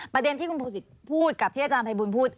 ประเด็นที่คุณภูศิษย์พูดกับที่อาจารย์ภัยบูลพูด